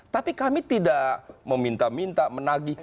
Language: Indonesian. tapi kami tidak meminta minta menagih